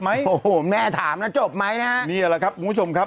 แม่ถามแล้วจบไหมนะฮะ